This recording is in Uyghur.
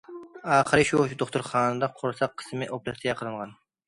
ئاخىرى شۇ دوختۇرخانىدا قورساق قىسمى ئوپېراتسىيە قىلىنغان.